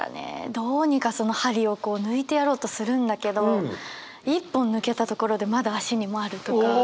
どうにかその針を抜いてやろうとするんだけど１本抜けたところでまだ足にもあるとか。